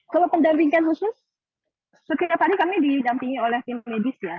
kalau pendampingan khusus setiap hari kami didampingi oleh tim medis ya